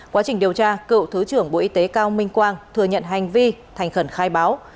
quá trình điều tra cựu thứ trưởng bộ y tế cao minh quang thừa nhận hành vi thành khẩn khai báo